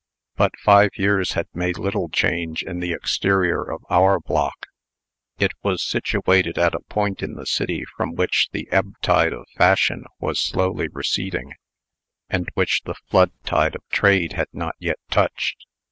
But five years had made little change in the exterior of our block. It was situated at a point in the city from which the ebb tide of Fashion was slowly receding, and which the flood tide of Trade had not yet touched.